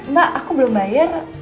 mbak aku belum bayar